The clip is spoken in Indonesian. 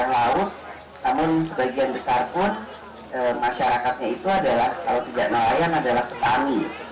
di tim atau daerah laut namun sebagian besar pun masyarakatnya itu adalah kalau tidak nolayan adalah petani